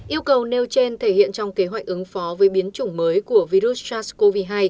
yêu cầu nelgen thể hiện trong kế hoạch ứng phó với biến chủng mới của virus sars cov hai